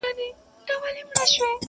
د باښو او د کارګانو هم نارې سوې!!